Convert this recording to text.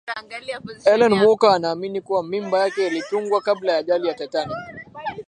ellen walker anaamini kuwa mimba yake ilitungwa kabla ya ajali ya titanic